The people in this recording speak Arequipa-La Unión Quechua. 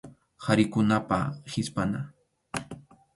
Qharikunapa hispʼanan.